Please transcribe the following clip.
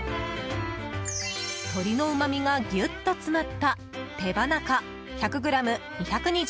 鶏のうまみがぎゅっと詰まった手羽中、１００ｇ２２５円。